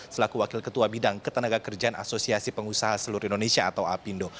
selaku wakil ketua bidang ketenaga kerjaan asosiasi pengusaha seluruh indonesia atau apindo